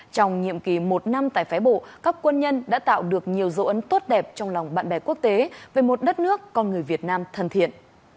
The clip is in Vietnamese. trong nhiệm kỳ một năm tại phái bộ các quân nhân đã tạo được nhiều dấu ấn tốt đẹp trong lòng bạn bè quốc tế về một đất nước con người việt nam thân thiện